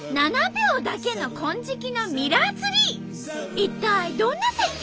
一体どんな絶景？